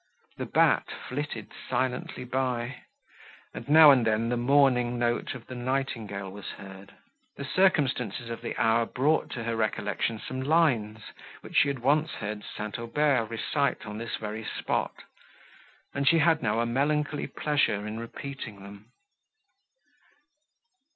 The bat flitted silently by; and, now and then, the mourning note of the nightingale was heard. The circumstances of the hour brought to her recollection some lines, which she had once heard St. Aubert recite on this very spot, and she had now a melancholy pleasure in repeating them.